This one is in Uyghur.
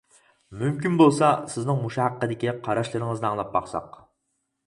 مۇمكىن بولسا سىزنىڭ مۇشۇ ھەققىدىكى قاراشلىرىڭىزنى ئاڭلاپ باقساق.